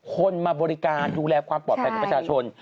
คนมาบริการดูแลความปลอดภัยของประชาชน